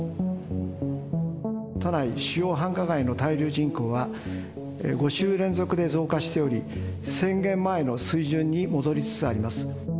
都内主要繁華街の滞留人口は５週連続で増加しており、宣言前の水準に戻りつつあります。